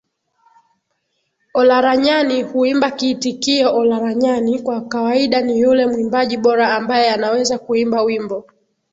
Olaranyani huimba kiitikio Olaranyani kwa kawaida ni yule mwimbaji bora ambaye anaweza kuimba wimbo